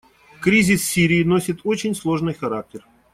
Кризис в Сирии носит очень сложный характер.